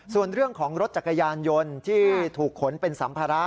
ส่วนเรื่องของรถจักรยานยนต์ที่ถูกขนเป็นสัมภาระ